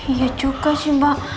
iya juga sih mbak